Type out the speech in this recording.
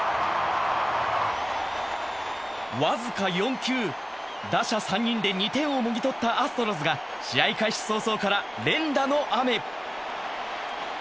僅か４球、打者３人で２点をもぎ取ったアストロズが試合開始早々から連打の雨。